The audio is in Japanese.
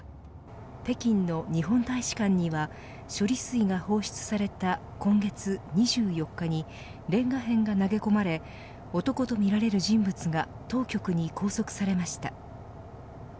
北京の日本大使館には処理水が放出された今月２４日にれんが片が投げ込まれ男とみられる人物が当局に拘束されました。